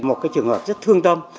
một trường hợp rất thương tâm